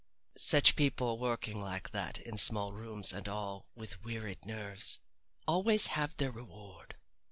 Such people working like that in small rooms, and all, with wearied nerves, always have their reward.